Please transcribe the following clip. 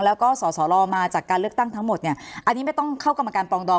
แล้วก็สอสอรอมาจากการเลือกตั้งทั้งหมดเนี่ยอันนี้ไม่ต้องเข้ากรรมการปรองดอง